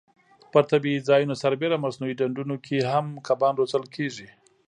پر طبیعي ځایونو سربېره مصنوعي ډنډونو کې هم کبان روزل کېږي.